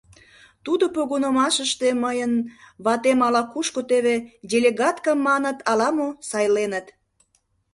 Тудо погынымашыште мыйын ватем ала-кушко, теве, делегатка маныт ала-мо, сайленыт.